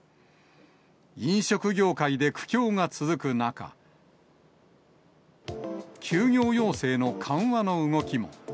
飲食業界で苦境が続く中、休業要請の緩和の動きも。